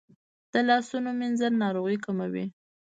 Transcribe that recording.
د لاسونو مینځل ناروغۍ کموي.